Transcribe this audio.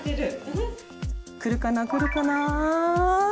くるかなくるかな？